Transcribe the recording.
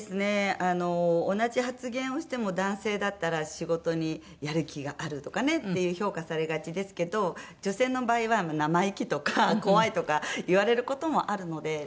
あの同じ発言をしても男性だったら「仕事にやる気がある」とかねっていう評価されがちですけど女性の場合は「生意気」とか「怖い」とか言われる事もあるので。